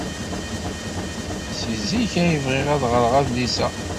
Seg zik ay bɣiɣ ad ɣreɣ adlis-a.